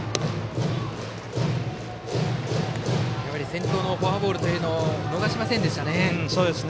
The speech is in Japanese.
先頭のフォアボールというのを逃しませんでしたね。